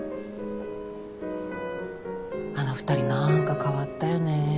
あの２人なんか変わったよね。